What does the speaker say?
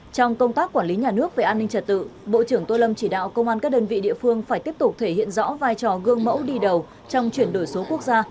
trong công tác quản lý nhà nước về an ninh trật tự bộ trưởng tô lâm chỉ đạo công an các đơn vị địa phương phải tiếp tục thể hiện rõ vai trò gương mẫu đi đầu trong chuyển đổi số quốc gia